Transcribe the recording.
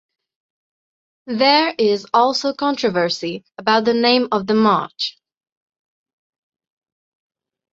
There is also controversy about the name of the march.